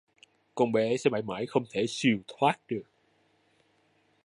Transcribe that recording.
Con bé sẽ mãi mãi không thể siêu thoát được